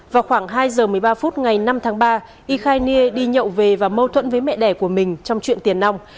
vào khoảng hai giờ một mươi ba phút ngày năm tháng ba y khai ne đi nhậu về và mâu thuẫn với mẹ đẻ của mình trong chuyện tiền nòng